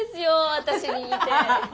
私に似て。